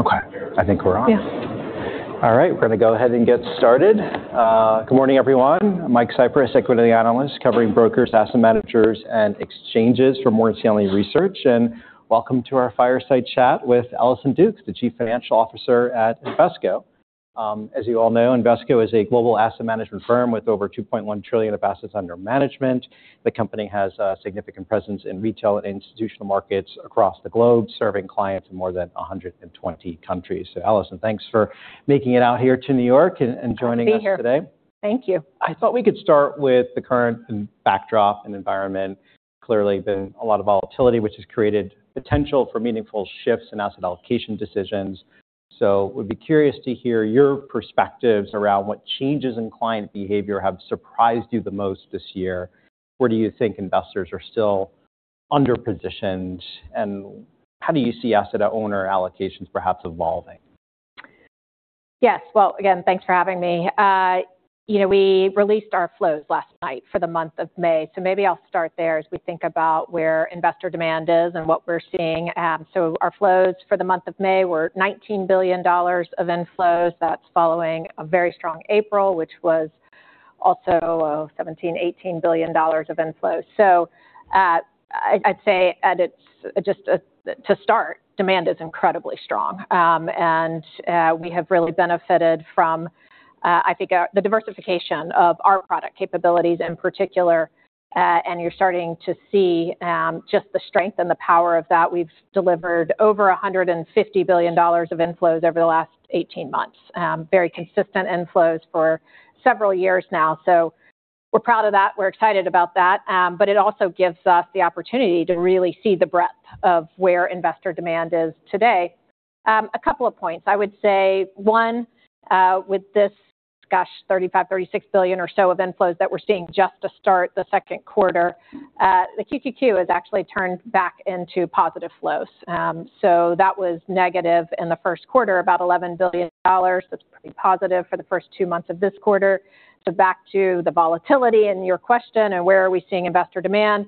Okay. I think we're on. Yeah. All right. We're going to go ahead and get started. Good morning, everyone. Mike Cyprys, equity analyst covering brokers, asset managers, and exchanges for Morgan Stanley Research. Welcome to our fireside chat with Allison Dukes, the Chief Financial Officer at Invesco. As you all know, Invesco is a global asset management firm with over $2.1 trillion of assets under management. The company has a significant presence in retail and institutional markets across the globe, serving clients in more than 120 countries. Allison, thanks for making it out here to New York and joining us today. Happy to be here. Thank you. I thought we could start with the current backdrop and environment. Clearly, been a lot of volatility, which has created potential for meaningful shifts in asset allocation decisions. Would be curious to hear your perspectives around what changes in client behavior have surprised you the most this year. Where do you think investors are still under-positioned, and how do you see asset owner allocations perhaps evolving? Yes. Well, again, thanks for having me. We released our flows last night for the month of May, so maybe I'll start there as we think about where investor demand is and what we're seeing. Our flows for the month of May were $19 billion of inflows. That's following a very strong April, which was also $17 billion, $18 billion of inflows. I'd say, just to start, demand is incredibly strong. We have really benefited from, I think, the diversification of our product capabilities, in particular, and you're starting to see just the strength and the power of that. We've delivered over $150 billion of inflows over the last 18 months. Very consistent inflows for several years now. We're proud of that. We're excited about that. It also gives us the opportunity to really see the breadth of where investor demand is today. A couple of points. I would say, one, with this, gosh, $35 billion, $36 billion or so of inflows that we're seeing just to start the second quarter. The QQQ has actually turned back into positive flows. That was negative in the first quarter, about $11 billion. That's pretty positive for the first two months of this quarter. Back to the volatility in your question and where are we seeing investor demand.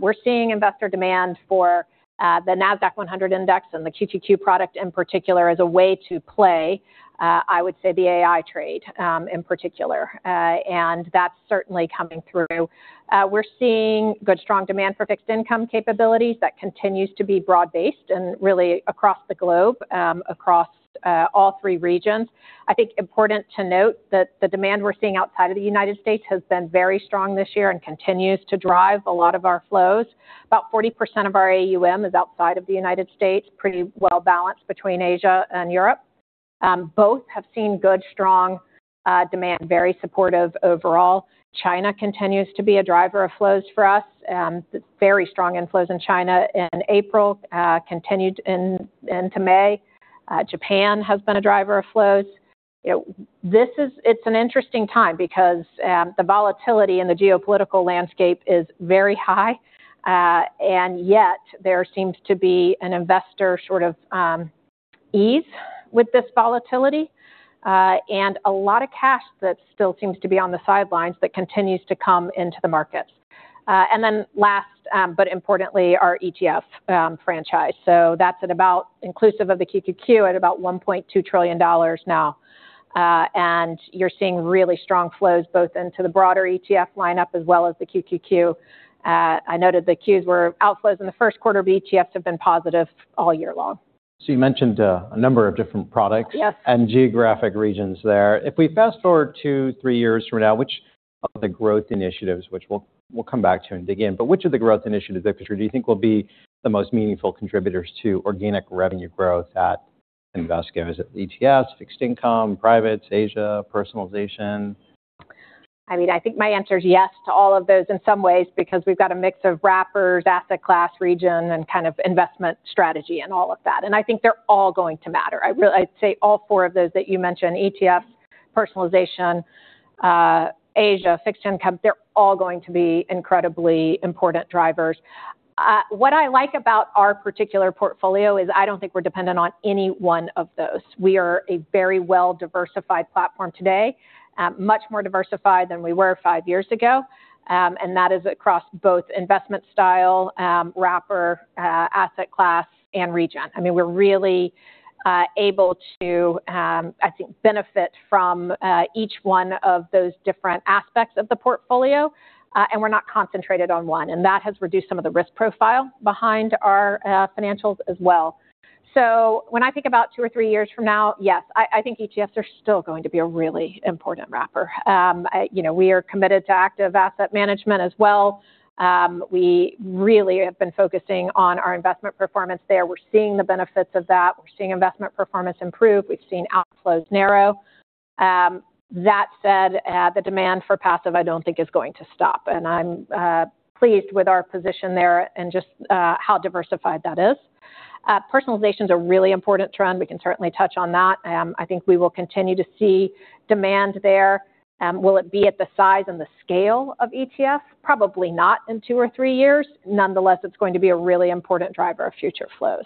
We're seeing investor demand for the Nasdaq-100 Index and the QQQ product, in particular, as a way to play, I would say, the AI trade, in particular. That's certainly coming through. We're seeing good, strong demand for fixed income capabilities that continues to be broad-based and really across the globe, across all three regions. I think important to note that the demand we're seeing outside of the United States has been very strong this year and continues to drive a lot of our flows. About 40% of our AUM is outside of the United States. Pretty well-balanced between Asia and Europe. Both have seen good, strong demand. Very supportive overall. China continues to be a driver of flows for us. Very strong inflows in China in April, continued into May. Japan has been a driver of flows. It's an interesting time because the volatility in the geopolitical landscape is very high, and yet, there seems to be an investor sort of ease with this volatility, and a lot of cash that still seems to be on the sidelines that continues to come into the markets. Then last, but importantly, our ETF franchise. That's at about inclusive of the QQQ at about $1.2 trillion now. You're seeing really strong flows both into the broader ETF lineup as well as the QQQ. I noted the Qs were outflows in the first quarter, ETFs have been positive all year long. You mentioned a number of different products. Yes. And geographic regions there. If we fast-forward two, three years from now, which of the growth initiatives, which we'll come back to and dig in, but which of the growth initiatives do you think will be the most meaningful contributors to organic revenue growth at Invesco? Is it ETFs, fixed income, privates, Asia, personalization? I think my answer is yes to all of those in some ways, because we've got a mix of wrappers, asset class, region, and kind of investment strategy and all of that, and I think they're all going to matter. I'd say all four of those that you mentioned, ETFs, personalization, Asia, fixed income, they're all going to be incredibly important drivers. What I like about our particular portfolio is I don't think we're dependent on any one of those. We are a very well-diversified platform today. Much more diversified than we were five years ago, and that is across both investment style, wrapper, asset class, and region. We're really able to, I think, benefit from each one of those different aspects of the portfolio, and we're not concentrated on one, and that has reduced some of the risk profile behind our financials as well. When I think about two or three years from now, yes, I think ETFs are still going to be a really important wrapper. We are committed to active asset management as well. We really have been focusing on our investment performance there. We're seeing the benefits of that. We're seeing investment performance improve. We've seen outflows narrow. That said, the demand for passive, I don't think is going to stop, and I'm pleased with our position there and just how diversified that is. Personalization's a really important trend. We can certainly touch on that. I think we will continue to see demand there. Will it be at the size and the scale of ETF? Probably not in two or three years. Nonetheless, it's going to be a really important driver of future flows.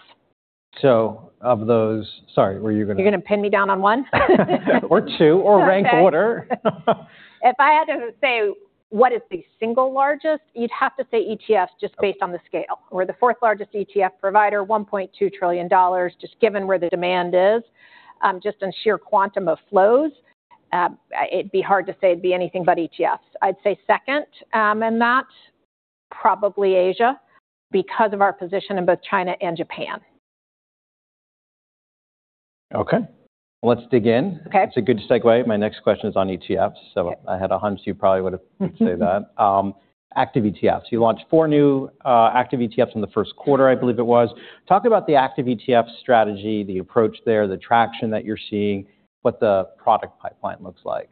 So, of those, sorry, were you going to? You're going to pin me down on one? Or two, or rank order. If I had to say what is the single largest, you'd have to say ETFs just based on the scale. We're the fourth-largest ETF provider, $1.2 trillion, just given where the demand is, just in sheer quantum of flows. It'd be hard to say it'd be anything but ETFs. I'd say second in that, probably Asia, because of our position in both China and Japan. Okay. Let's dig in. Okay. That's a good segue. My next question is on ETFs. I had a hunch you probably would say that. Active ETFs. You launched four new active ETFs in the first quarter, I believe it was. Talk about the active ETF strategy, the approach there, the traction that you're seeing, what the product pipeline looks like.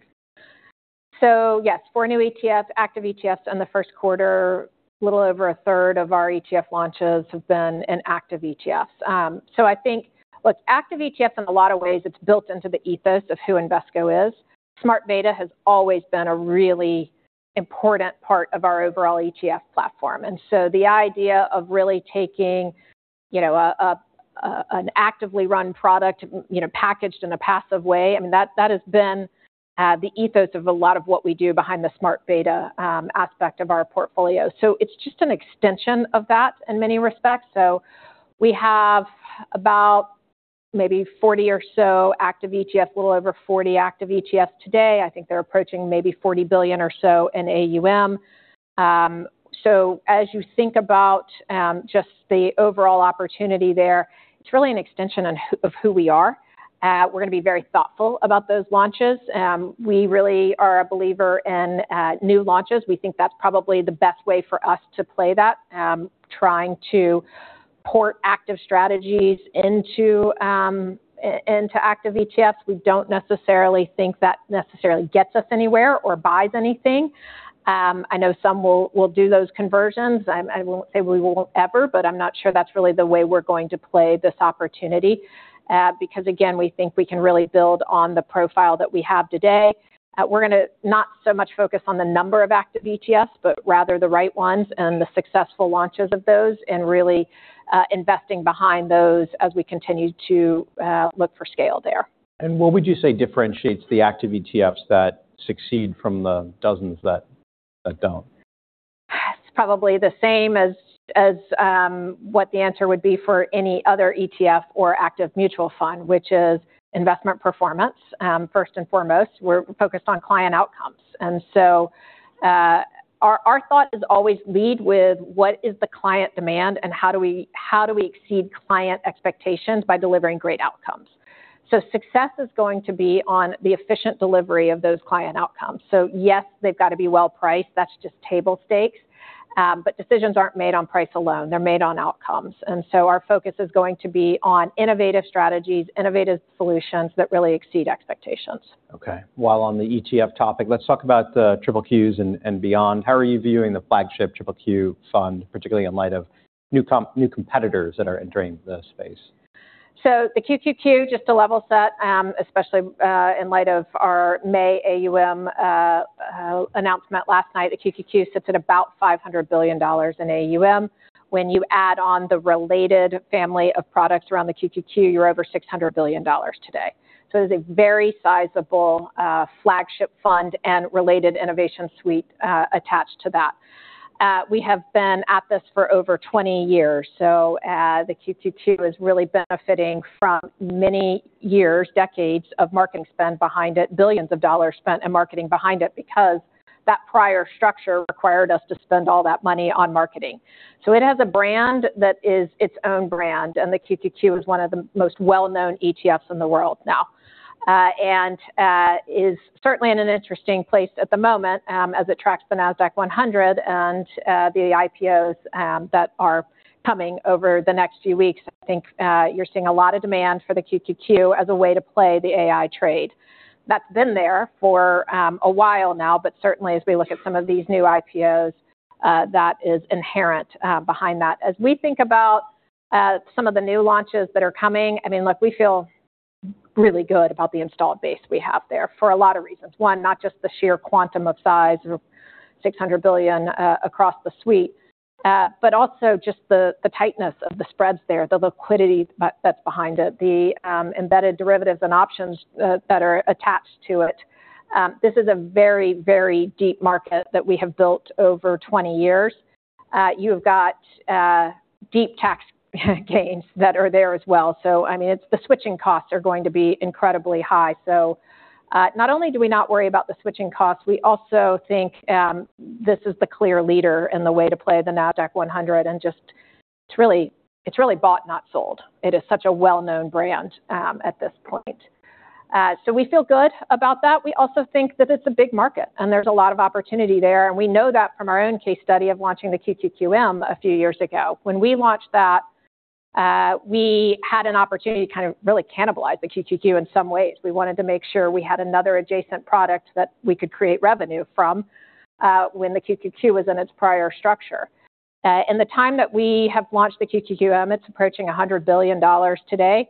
Yes, four new ETFs, active ETFs in the first quarter. Little over 1/3 of our ETF launches have been in active ETFs. I think, look, active ETF in a lot of ways, it's built into the ethos of who Invesco is. Smart beta has always been a really important part of our overall ETF platform. The idea of really taking an actively run product, packaged in a passive way, that has been the ethos of a lot of what we do behind the smart beta aspect of our portfolio. It's just an extension of that in many respects. We have about maybe 40 or so active ETFs, a little over 40 active ETFs today. I think they're approaching maybe $40 billion or so in AUM. As you think about just the overall opportunity there, it's really an extension of who we are. We're going to be very thoughtful about those launches. We really are a believer in new launches. We think that's probably the best way for us to play that. Trying to port active strategies into active ETFs, we don't necessarily think that necessarily gets us anywhere or buys anything. I know some will do those conversions. I won't say we won't ever, but I'm not sure that's really the way we're going to play this opportunity. Because again, we think we can really build on the profile that we have today. We're going to not so much focus on the number of active ETFs, but rather the right ones and the successful launches of those and really investing behind those as we continue to look for scale there. What would you say differentiates the active ETFs that succeed from the dozens that don't? It's probably the same as what the answer would be for any other ETF or active mutual fund, which is investment performance. First and foremost, we're focused on client outcomes, and so, our thought is always lead with what is the client demand and how do we exceed client expectations by delivering great outcomes. Success is going to be on the efficient delivery of those client outcomes. Yes, they've got to be well-priced, that's just table stakes, but decisions aren't made on price alone. They're made on outcomes. Our focus is going to be on innovative strategies, innovative solutions that really exceed expectations. Okay. While on the ETF topic, let's talk about the QQQ and beyond. How are you viewing the flagship QQQ fund, particularly in light of new competitors that are entering the space? The QQQ, just to level set, especially in light of our May AUM announcement last night, the QQQ sits at about $500 billion in AUM. When you add on the related family of products around the QQQ, you're over $600 billion today. It is a very sizable flagship fund and related innovation suite attached to that. We have been at this for over 20 years. The QQQ is really benefiting from many years, decades, of marketing spend behind it, billions of dollars spent in marketing behind it, because that prior structure required us to spend all that money on marketing. It has a brand that is its own brand, and the QQQ is one of the most well-known ETFs in the world now. Is certainly in an interesting place at the moment, as it tracks the Nasdaq-100 and the IPOs that are coming over the next few weeks. I think you're seeing a lot of demand for the QQQ as a way to play the AI trade. That's been there for a while now, but certainly, as we look at some of these new IPOs, that is inherent behind that. As we think about some of the new launches that are coming, look, we feel really good about the installed base we have there for a lot of reasons. One, not just the sheer quantum of size of $600 billion across the suite, but also just the tightness of the spreads there, the liquidity that's behind it, the embedded derivatives and options that are attached to it. This is a very, very deep market that we have built over 20 years. You have got deep tax gains that are there as well. The switching costs are going to be incredibly high. Not only do we not worry about the switching costs, we also think this is the clear leader in the way to play the Nasdaq-100 and just, it's really bought, not sold. It is such a well-known brand at this point. We feel good about that. We also think that it's a big market and there's a lot of opportunity there, and we know that from our own case study of launching the QQQM a few years ago. When we launched that, we had an opportunity to kind of really cannibalize the QQQ in some ways. We wanted to make sure we had another adjacent product that we could create revenue from, when the QQQ was in its prior structure. In the time that we have launched the QQQM, it's approaching $100 billion today.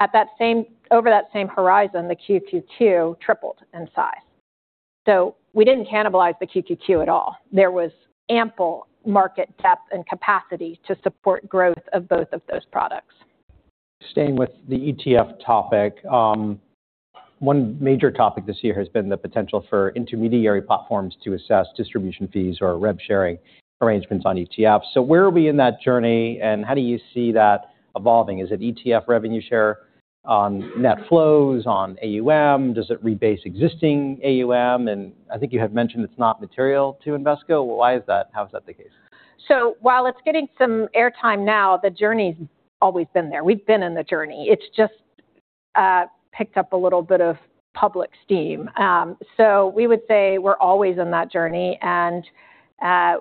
Over that same horizon, the QQQ tripled in size. We didn't cannibalize the QQQ at all. There was ample market depth and capacity to support growth of both of those products. Staying with the ETF topic, one major topic this year has been the potential for intermediary platforms to assess distribution fees or rev sharing arrangements on ETFs. Where are we in that journey, and how do you see that evolving? Is it ETF revenue share? On net flows, on AUM, does it rebase existing AUM? I think you had mentioned it's not material to Invesco. Why is that? How is that the case? While it's getting some airtime now, the journey's always been there. We've been in the journey. It's just picked up a little bit of public steam. We would say we're always in that journey, and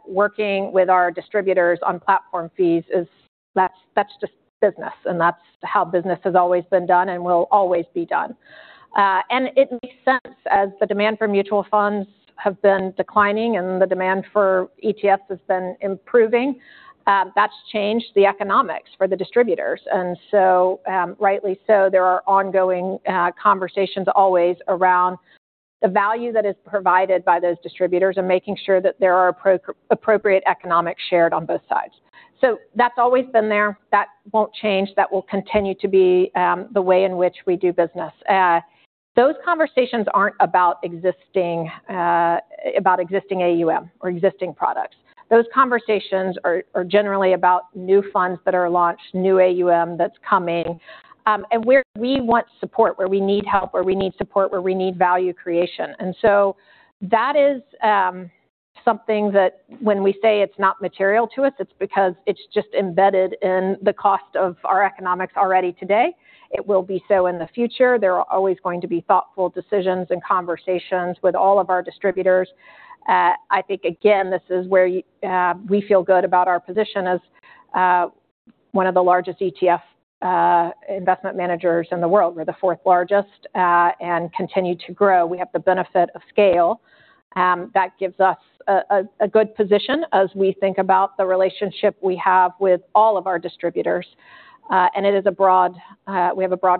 working with our distributors on platform fees is, that's just business, and that's how business has always been done and will always be done. It makes sense, as the demand for mutual funds have been declining and the demand for ETFs has been improving. That's changed the economics for the distributors. Rightly so, there are ongoing conversations always around the value that is provided by those distributors and making sure that there are appropriate economics shared on both sides. That's always been there. That won't change. That will continue to be the way in which we do business. Those conversations aren't about existing AUM, or existing products. Those conversations are generally about new funds that are launched, new AUM that's coming, and where we want support, where we need help, where we need support, where we need value creation. That is something that when we say it's not material to us, it's because it's just embedded in the cost of our economics already today. It will be so in the future. There are always going to be thoughtful decisions and conversations with all of our distributors. I think, again, this is where we feel good about our position as one of the largest ETF investment managers in the world. We're the fourth largest and continue to grow. We have the benefit of scale. That gives us a good position as we think about the relationship we have with all of our distributors. We have a broad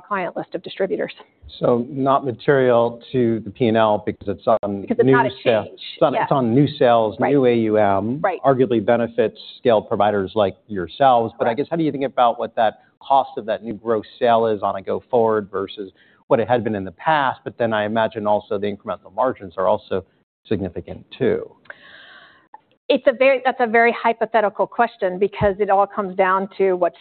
client list of distributors. Not material to the P&L because it's on. Because it's not a change. New sales. Yeah. It's on new sales. Right. New AUM. Right. Arguably benefits scale providers like yourselves. Right. I guess, how do you think about what that cost of that new gross sale is on a go forward versus what it has been in the past, but then I imagine also the incremental margins are also significant, too? That's a very hypothetical question because it all comes down to what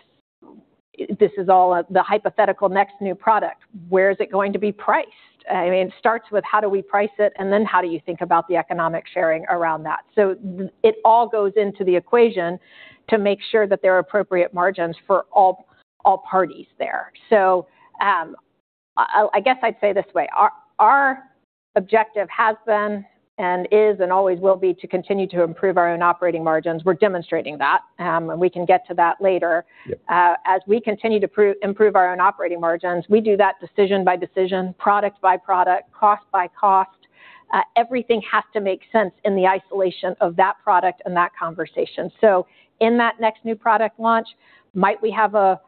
this is all, the hypothetical next new product. Where is it going to be priced? It starts with how do we price it, and then how do you think about the economic sharing around that. It all goes into the equation to make sure that there are appropriate margins for all parties there. I guess I'd say it this way. Our objective has been, and is, and always will be to continue to improve our own operating margins. We're demonstrating that, and we can get to that later. Yeah. As we continue to improve our own operating margins, we do that decision by decision, product by product, cost by cost. Everything has to make sense in the isolation of that product and that conversation. In that next new product launch, might we have a,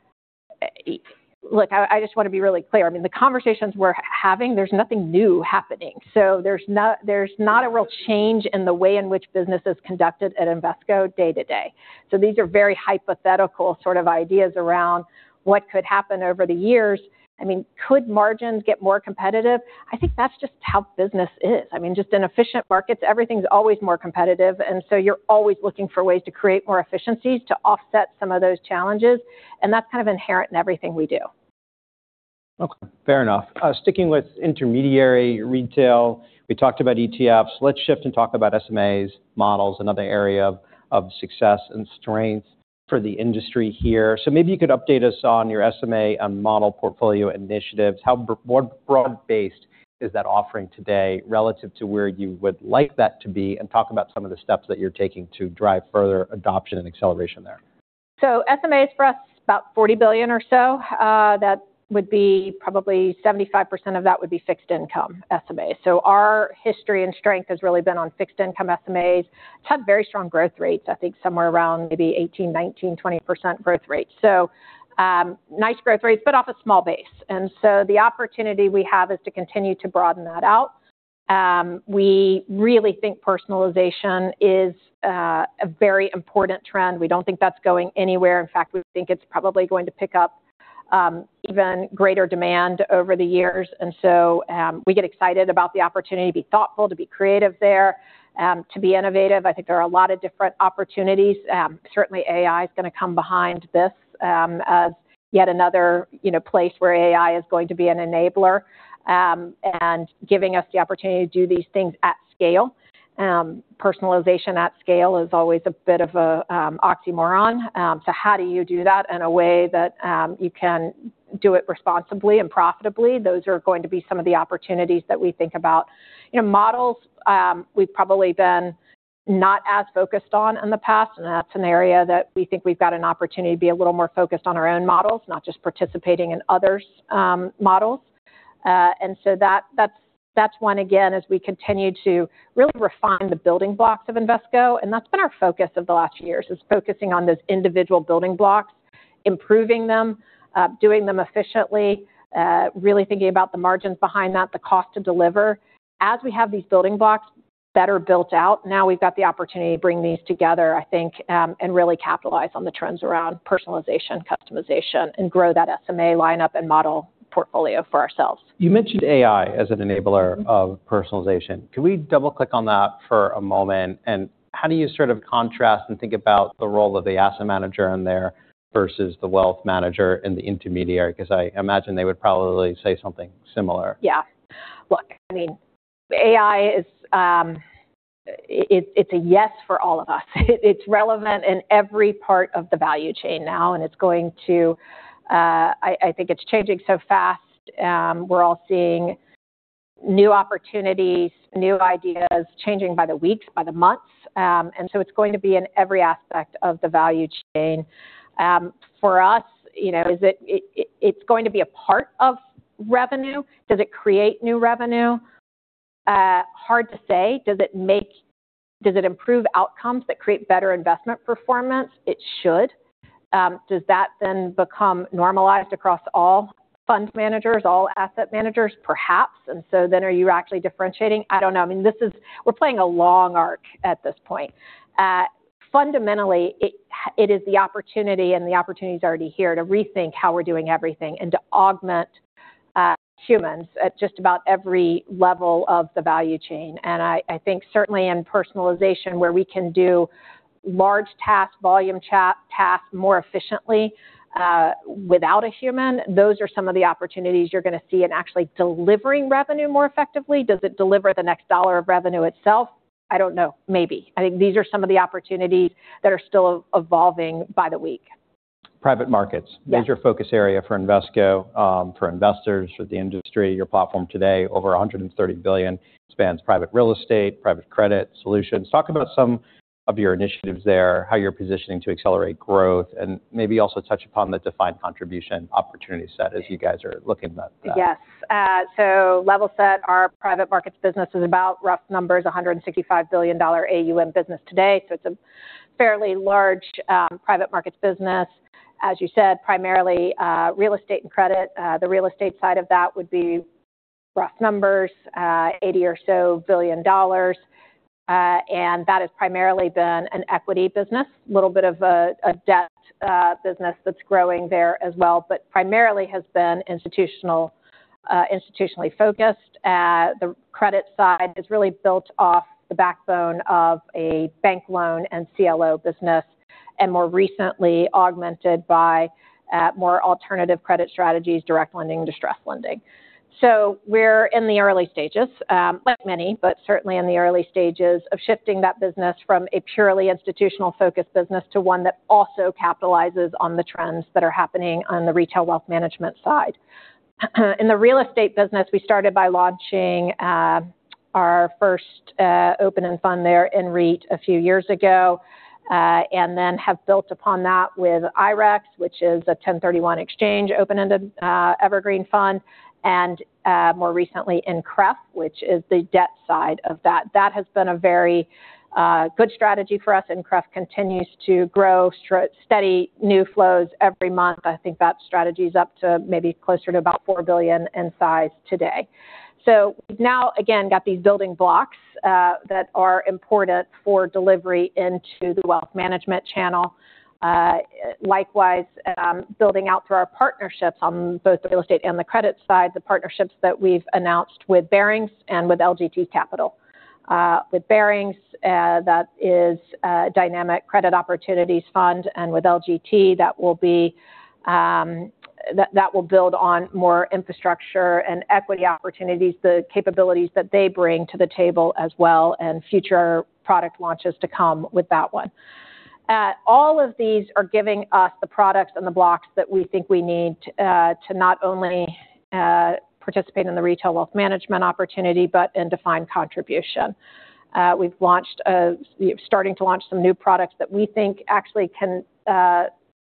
look, I just want to be really clear, I mean, the conversations we're having, there's nothing new happening. There's not a real change in the way in which business is conducted at Invesco day to day. These are very hypothetical sort of ideas around what could happen over the years. Could margins get more competitive? I think that's just how business is. Just in efficient markets, everything's always more competitive, and so you're always looking for ways to create more efficiencies to offset some of those challenges, and that's kind of inherent in everything we do. Okay. Fair enough. Sticking with intermediary retail, we talked about ETFs. Let's shift and talk about SMAs, models, another area of success and strength for the industry here. Maybe, you could update us on your SMA and model portfolio initiatives. How broad-based is that offering today relative to where you would like that to be? And talk about some of the steps that you're taking to drive further adoption and acceleration there. SMAs for us, about $40 billion or so. That would be, probably, 75% of that would be fixed income SMAs. Our history and strength has really been on fixed income SMAs. It's had very strong growth rates, I think somewhere around maybe 18%, 19%, 20% growth rates. Nice growth rates, but off a small base. The opportunity we have is to continue to broaden that out. We really think personalization is a very important trend. We don't think that's going anywhere. In fact, we think it's probably going to pick up even greater demand over the years. We get excited about the opportunity to be thoughtful, to be creative there, to be innovative. I think there are a lot of different opportunities. Certainly, AI is going to come behind this as yet another place where AI is going to be an enabler and giving us the opportunity to do these things at scale. Personalization at scale is always a bit of an oxymoron. How do you do that in a way that you can do it responsibly and profitably? Those are going to be some of the opportunities that we think about. Models, we've probably been not as focused on in the past, and that's an area that we think we've got an opportunity to be a little more focused on our own models, not just participating in others' models. That's one, again, as we continue to really refine the building blocks of Invesco, and that's been our focus of the last years is focusing on those individual building blocks, improving them, doing them efficiently, really thinking about the margins behind that, the cost to deliver. As we have these building blocks better built out, now, we've got the opportunity to bring these together, I think, and really capitalize on the trends around personalization, customization, and grow that SMA lineup and model portfolio for ourselves. You mentioned AI as an enabler of personalization. Can we double-click on that for a moment? How do you sort of contrast and think about the role of the asset manager in there versus the wealth manager and the intermediary? Because I imagine they would probably say something similar. Yeah. Look, I mean, AI is a yes for all of us. It's relevant in every part of the value chain now and it's going to, I think it's changing so fast. We're all seeing new opportunities, new ideas changing by the week, by the month. So, it's going to be in every aspect of the value chain. For us, it's going to be a part of revenue. Does it create new revenue? Hard to say. Does it improve outcomes that create better investment performance? It should. Does that then become normalized across all fund managers, all asset managers? Perhaps. Then, are you actually differentiating? I don't know. I mean, this is, we're playing a long arc at this point. Fundamentally, it is the opportunity, and the opportunity is already here, to rethink how we're doing everything and to augment humans at just about every level of the value chain. I think, certainly, in personalization, where we can do large task, volume task more efficiently without a human, those are some of the opportunities you're going to see in actually delivering revenue more effectively. Does it deliver the next dollar of revenue itself? I don't know. Maybe. I think these are some of the opportunities that are still evolving by the week. Private markets. Yeah. That is your focus area for Invesco, for investors, for the industry. Your platform today, over $130 billion, spans private real estate, private credit solutions. Talk about some of your initiatives there, how you're positioning to accelerate growth, and maybe also touch upon the defined contribution opportunity set as you guys are looking at that. Yes. Level set, our private markets business is about, rough numbers, $165 billion AUM business today. It's a fairly large private markets business. As you said, primarily real estate and credit. The real estate side of that would be, rough numbers, $80 billion or so. That has primarily been an equity business, little bit of a debt business that's growing there as well but primarily has been institutionally focused. The credit side is really built off the backbone of a bank loan and CLO business, and more recently augmented by more alternative credit strategies, direct lending, distressed lending. We're in the early stages, like many, but certainly in the early stages of shifting that business from a purely institutional-focused business to one that also capitalizes on the trends that are happening on the retail wealth management side. In the real estate business, we started by launching our first open-end fund there, INREIT, a few years ago, and then have built upon that with IREX, which is a 1031 exchange open-ended evergreen fund, and more recently, INCREF, which is the debt side of that. That has been a very good strategy for us. INCREF continues to grow steady new flows every month. I think that strategy's up to maybe closer to about $4 billion in size today. We've now, again, got these building blocks that are important for delivery into the wealth management channel. Likewise, building out through our partnerships on both the real estate and the credit side, the partnerships that we've announced with Barings and with LGT Capital. With Barings, that is a Dynamic Credit Opportunities Fund. With LGT, that will build on more infrastructure and equity opportunities, the capabilities that they bring to the table as well, and future product launches to come with that one. All of these are giving us the products and the blocks that we think we need to not only participate in the retail wealth management opportunity, but in defined contribution. We're starting to launch some new products that we think actually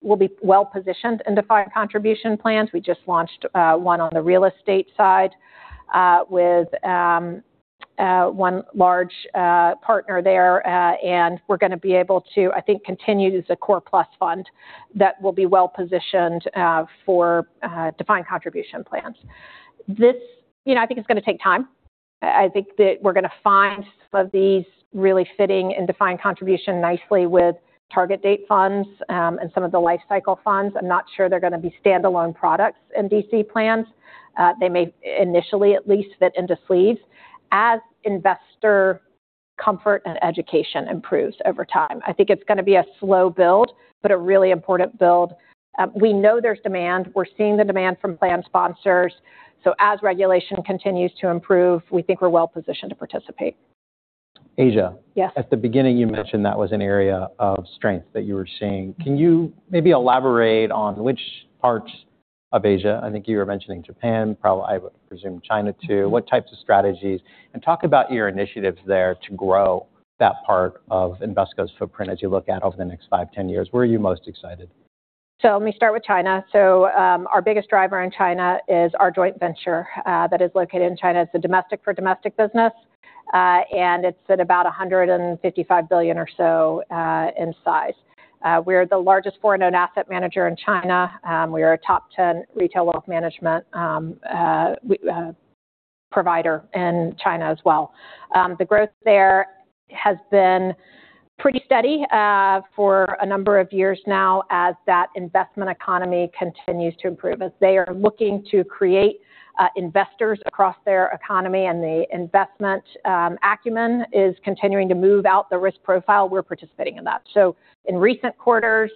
will be well-positioned in defined contribution plans. We just launched one on the real estate side with one large partner there. We're going to be able to, I think, continue the Core Plus Fund that will be well-positioned for defined contribution plans. I think it's going to take time. I think that we're going to find some of these really fitting in defined contribution nicely with target date funds and some of the lifecycle funds. I'm not sure they're going to be standalone products in DC plans. They may initially at least fit into sleeves as investor comfort and education improves over time. I think it's going to be a slow build, but a really important build. We know there's demand. We're seeing the demand from plan sponsors. As regulation continues to improve, we think we're well-positioned to participate. Asia. Yes. At the beginning, you mentioned that was an area of strength that you were seeing. Can you maybe elaborate on which parts of Asia, I think you were mentioning Japan, I would presume China too, what types of strategies? And talk about your initiatives there to grow that part of Invesco's footprint as you look out over the next five, 10 years. Where are you most excited? Let me start with China. Our biggest driver in China is our joint venture that is located in China. It's a domestic for domestic business and it's about $155 billion or so in size. We're the largest foreign-owned asset manager in China. We are a top 10 retail wealth management provider in China as well. The growth there has been pretty steady for a number of years now as that investment economy continues to improve, as they are looking to create investors across their economy, and the investment acumen is continuing to move out the risk profile. We're participating in that. In recent quarters,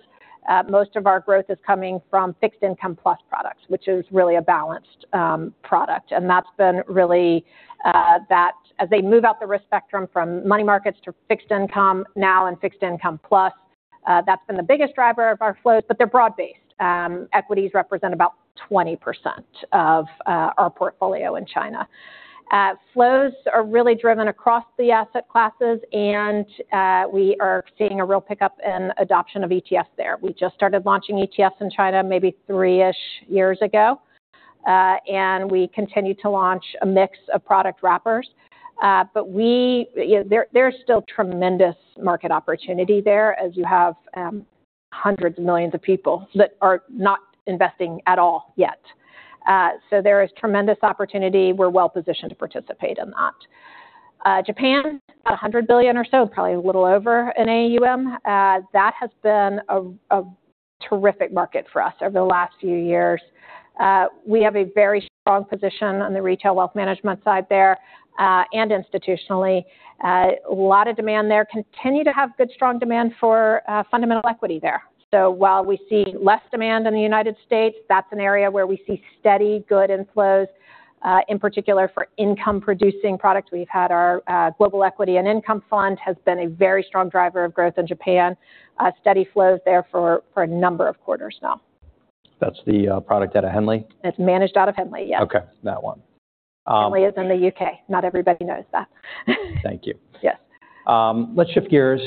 most of our growth is coming from Fixed Income Plus products, which is really a balanced product. That's been really that as they move out the risk spectrum from money markets to fixed income now and Fixed Income Plus, that's been the biggest driver of our flows. They're broad-based. Equities represent about 20% of our portfolio in China. Flows are really driven across the asset classes, and we are seeing a real pickup in adoption of ETFs there. We just started launching ETFs in China maybe three-ish years ago, and we continue to launch a mix of product wrappers. There's still tremendous market opportunity there, as you have hundreds of millions of people that are not investing at all yet. There is tremendous opportunity. We're well-positioned to participate in that. Japan, $100 billion or so, probably a little over in AUM. That has been a terrific market for us over the last few years. We have a very strong position on the retail wealth management side there, and institutionally. A lot of demand there. Continue to have good, strong demand for fundamental equity there. While we see less demand in the United States, that's an area where we see steady, good inflows, in particular, for income-producing products. We've had our Global Equity Income Fund, has been a very strong driver of growth in Japan. Steady flows there for a number of quarters now. That's the product out of Henley? It's managed out of Henley, yes. Okay. That one. Henley is in the U.K. Not everybody knows that. Thank you. Yes. Let's shift gears.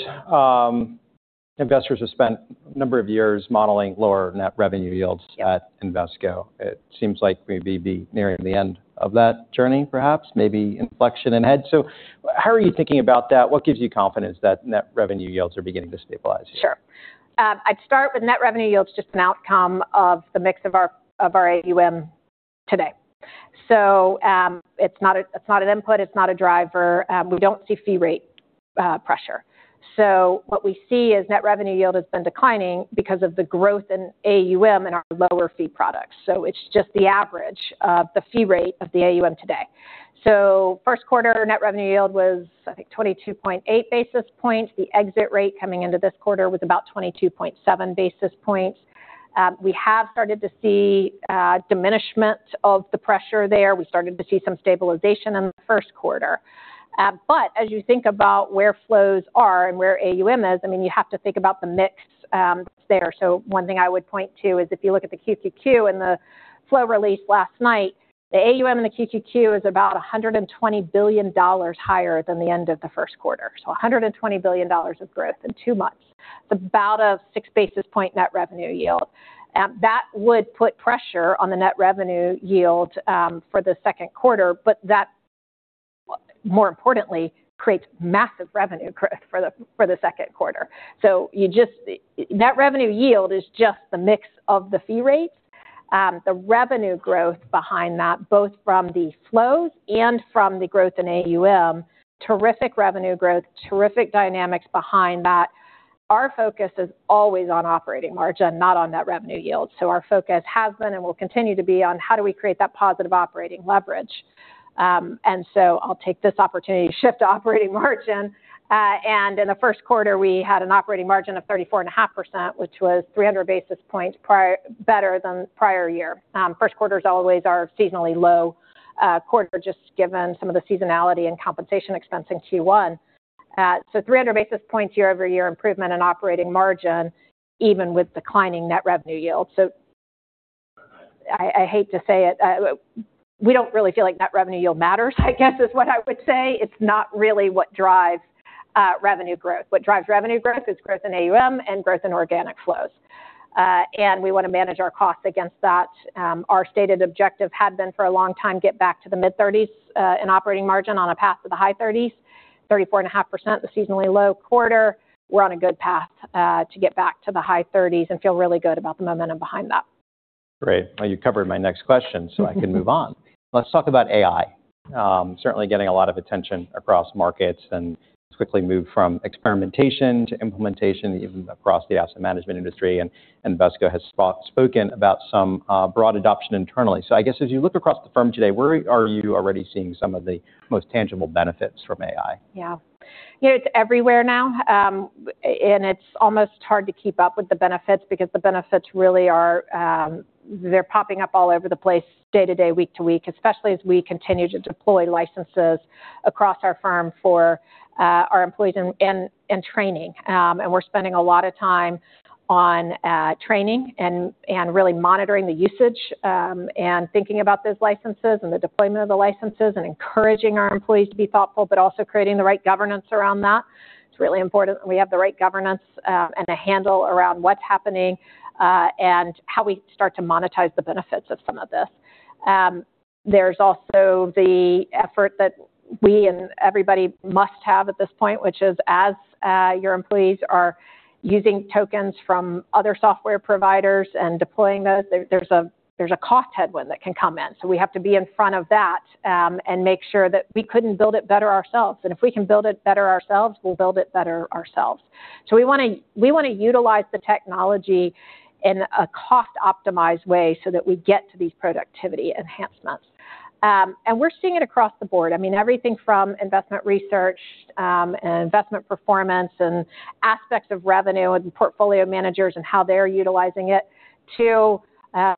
Investors have spent a number of years modeling lower net revenue yields. Yeah. At Invesco. It seems like maybe be nearing the end of that journey, perhaps. Maybe, inflection ahead. How are you thinking about that? What gives you confidence that net revenue yields are beginning to stabilize here? Sure. I'd start with net revenue yield's just an outcome of the mix of our AUM today. It's not an input. It's not a driver. We don't see fee rate pressure. What we see is net revenue yield has been declining because of the growth in AUM in our lower-fee products. It's just the average of the fee rate of the AUM today. First quarter net revenue yield was, I think, 22.8 basis points. The exit rate coming into this quarter was about 22.7 basis points. We have started to see a diminishment of the pressure there. We started to see some stabilization in the first quarter. But as you think about where flows are and where AUM is, you have to think about the mix there. One thing I would point to is if you look at the QQQ and the flow release last night, the AUM in the QQQ is about $120 billion higher than the end of the first quarter. $120 billion of growth in two months. It's about a 6-basis-point net revenue yield. That would put pressure on the net revenue yield for the second quarter, but that, more importantly, creates massive revenue growth for the second quarter. Net revenue yield is just the mix of the fee rates. The revenue growth behind that, both from the flows and from the growth in AUM, terrific revenue growth, terrific dynamics behind that. Our focus is always on operating margin, not on net revenue yield. Our focus has been and will continue to be on how do we create that positive operating leverage. I'll take this opportunity to shift to operating margin. In the first quarter, we had an operating margin of 34.5%, which was 300 basis points better than prior year. First quarters always are seasonally low quarter, just given some of the seasonality and compensation expense in Q1. So, 300 basis points year-over-year improvement in operating margin, even with declining net revenue yield. I hate to say it, we don't really feel like net revenue yield matters, I guess is what I would say. It's not really what drives revenue growth. What drives revenue growth is growth in AUM and growth in organic flows. We want to manage our costs against that. Our stated objective had been for a long time get back to the mid-30s in operating margin on a path to the high 30s. 34.5%, the seasonally low quarter. We're on a good path to get back to the high 30s and feel really good about the momentum behind that. Great. Well, you covered my next question, so I can move on. Let's talk about AI. Certainly, getting a lot of attention across markets, and it's quickly moved from experimentation to implementation even across the asset management industry, and Invesco has spoken about some broad adoption internally. I guess as you look across the firm today, where are you already seeing some of the most tangible benefits from AI? Yeah. It's everywhere now. It's almost hard to keep up with the benefits because the benefits really are, they're popping up all over the place day to day, week to week, especially as we continue to deploy licenses across our firm for our employees and training. We're spending a lot of time on training and really monitoring the usage and thinking about those licenses and the deployment of the licenses, and encouraging our employees to be thoughtful, but also creating the right governance around that. It's really important that we have the right governance and a handle around what's happening, and how we start to monetize the benefits of some of this. There's also the effort that we and everybody must have at this point, which is as your employees are using tokens from other software providers and deploying those, there's a cost headwind that can come in. We have to be in front of that, and make sure that we couldn't build it better ourselves, and if we can build it better ourselves, we'll build it better ourselves. We want to utilize the technology in a cost-optimized way so that we get to these productivity enhancements. We're seeing it across the board. Everything from investment research, and investment performance, and aspects of revenue and portfolio managers and how they're utilizing it, to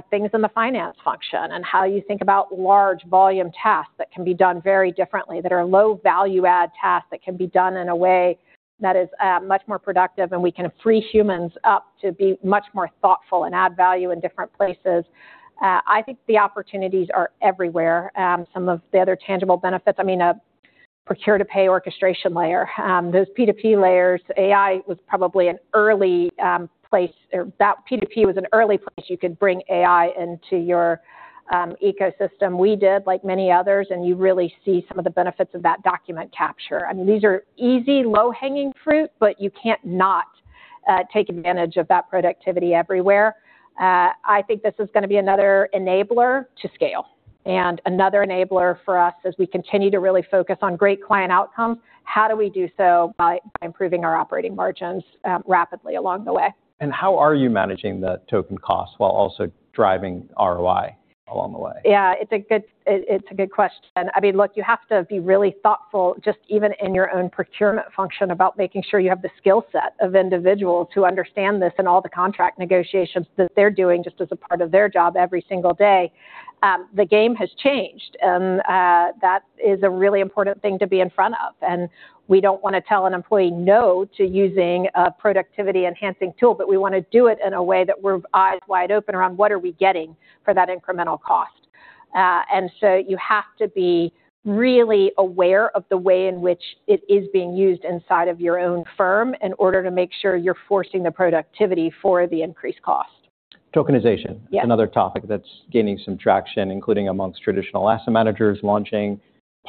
things in the finance function, and how you think about large volume tasks that can be done very differently, that are low value-add tasks that can be done in a way that is much more productive, and we can free humans up to be much more thoughtful and add value in different places. I think the opportunities are everywhere. Some of the other tangible benefits, I mean, a procure-to-pay orchestration layer. Those P2P layers, AI was probably an early place, or that P2P was an early place you could bring AI into your ecosystem. We did, like many others, and you really see some of the benefits of that document capture. These are easy, low-hanging fruit, but you can't not take advantage of that productivity everywhere. I think this is going to be another enabler to scale and another enabler for us as we continue to really focus on great client outcomes. How do we do so? By improving our operating margins rapidly along the way. How are you managing the token cost while also driving ROI along the way? Yeah, it's a good question. Look, you have to be really thoughtful, just even in your own procurement function, about making sure you have the skill set of individuals who understand this and all the contract negotiations that they're doing just as a part of their job every single day. The game has changed, and that is a really important thing to be in front of. We don't want to tell an employee no to using a productivity-enhancing tool, but we want to do it in a way that we're eyes wide open around what are we getting for that incremental cost. You have to be really aware of the way in which it is being used inside of your own firm in order to make sure you're forcing the productivity for the increased cost. Tokenization. Yeah. Another topic that's gaining some traction, including amongst traditional asset managers launching,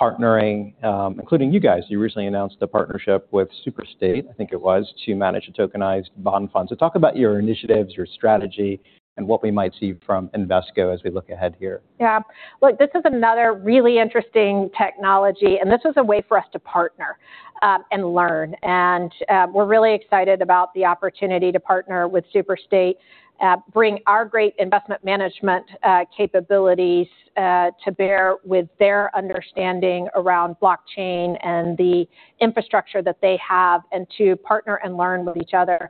partnering, including you guys. You recently announced a partnership with Superstate, I think it was, to manage a tokenized bond fund. Talk about your initiatives, your strategy, and what we might see from Invesco as we look ahead here. Yeah. Look, this is another really interesting technology, this was a way for us to partner and learn. We're really excited about the opportunity to partner with Superstate, bring our great investment management capabilities to bear with their understanding around blockchain and the infrastructure that they have, and to partner and learn with each other.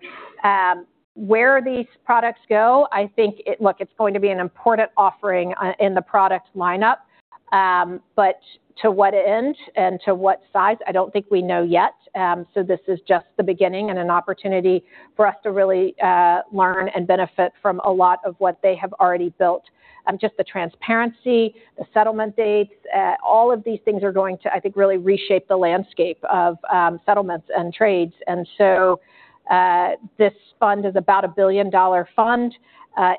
Where these products go, I think, look, it's going to be an important offering in the product lineup, but to what end and to what size? I don't think we know yet. This is just the beginning and an opportunity for us to really learn and benefit from a lot of what they have already built. Just the transparency, the settlement dates, all of these things are going to, I think, really reshape the landscape of settlements and trades. This fund is about a billion-dollar fund.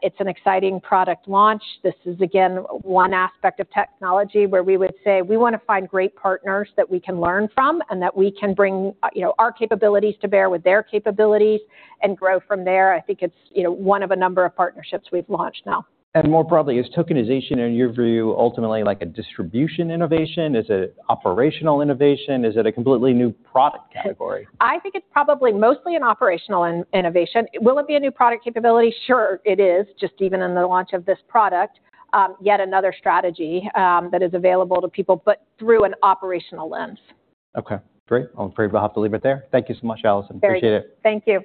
It's an exciting product launch. This is, again, one aspect of technology where we would say we want to find great partners that we can learn from and that we can bring our capabilities to bear with their capabilities and grow from there. I think it's one of a number of partnerships we've launched now. More broadly, is tokenization, in your view, ultimately like a distribution innovation? Is it operational innovation? Is it a completely new product category? I think it's probably mostly an operational innovation. Will it be a new product capability? Sure, it is. Just even in the launch of this product, yet another strategy that is available to people, but through an operational lens. Okay, great. I'm afraid I'll have to leave it there. Thank you so much, Allison. Appreciate it. Thank you.